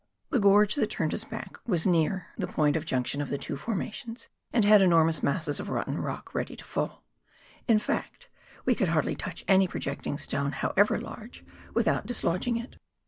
The gorge that turned us back was near the point of 68 PIONEER WORK IN THE ALPS OF NEW ZEALAND. junction of tlie two formations, and had enormous masses of rotten rock ready to fall ; in fact, we could hardly touch any projecting stone, however large, without dislodging it.